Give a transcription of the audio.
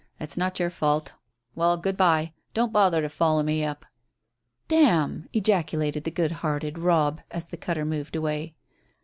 "It's not your fault. Well, good bye. Don't bother to follow me up." "Damn!" ejaculated the good hearted Robb, as the cutter moved away.